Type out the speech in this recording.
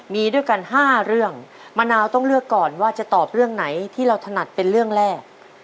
มีด้วยกัน๕เรื่องมะนาวต้องเลือกก่อนว่าจะตอบเรื่องไหนที่เราถนัดเป็นเรื่องแรก